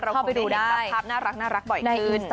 เราคงไปดูได้ครับน่ารักบ่อยขึ้น